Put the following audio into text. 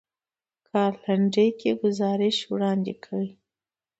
کار لنډکی ګزارش وړاندې کړ.